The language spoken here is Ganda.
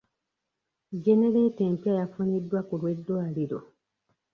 Jjenereeta empya yafuniddwa ku lw'eddwaliro.